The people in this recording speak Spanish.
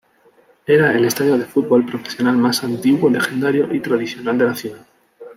Era el estadio de fútbol profesional más antiguo, legendario y tradicional de la ciudad.